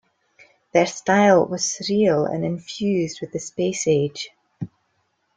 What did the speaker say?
Their style was surreal and infused with the space age.